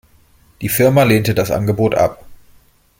Die Firma lehnte das Angebot ab.